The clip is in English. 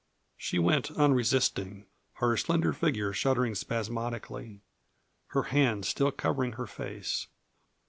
She went unresisting, her slender figure shuddering spasmodically, her hands still covering her face.